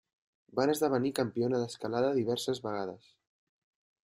Va esdevenir campiona d'escalada diverses vegades.